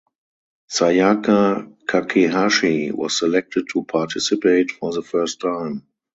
Sayaka Kakehashi was selected to participate for the first time.